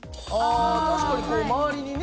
確かに周りにね。